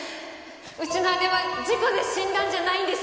うちの姉は事故で死んだんじゃないんです。